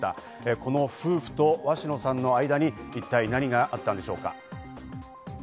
この夫婦と鷲野さんの間に一体何があったんでしょうか？